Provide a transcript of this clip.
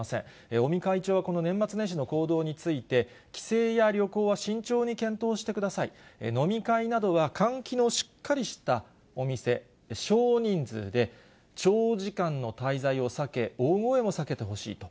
尾身会長はこの年末年始の行動について、帰省や旅行は慎重に検討してください、飲み会などは換気のしっかりしたお店、少人数で、長時間の滞在を避け、大声も避けてほしいと。